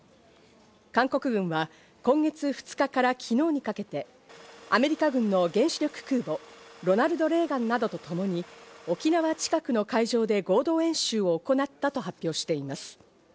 韓国軍は今月２日から昨日にかけて、アメリカ軍の原子力空母、ロナルド・レーガンなどと共に沖縄近くの海上で合同演習を行ったと発表しています。